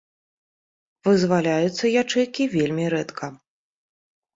Вызваляюцца ячэйкі вельмі рэдка.